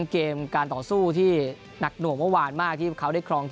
เกมการต่อสู้ที่หนักหน่วงเมื่อวานมากที่เขาได้ครอง